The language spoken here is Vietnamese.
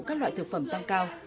các loại thực phẩm tăng cao